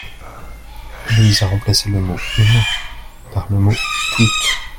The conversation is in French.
Il vise à remplacer le mot « une » par le mot « toute ».